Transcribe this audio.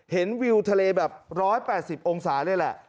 วิวทะเลแบบ๑๘๐องศาเลยแหละ